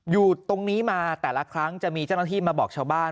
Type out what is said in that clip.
อยู่ตรงนี้มาแต่ละครั้งจะมีเจ้าหน้าที่มาบอกชาวบ้าน